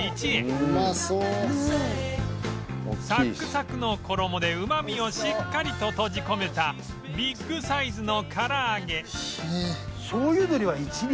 サックサクの衣でうまみをしっかりと閉じ込めたビッグサイズの唐揚げ